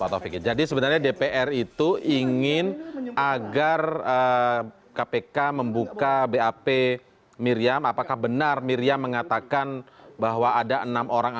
tetaplah bersama kami